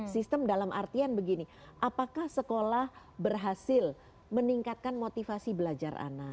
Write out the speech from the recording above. sistem dalam artian begini apakah sekolah berhasil meningkatkan motivasi belajar anak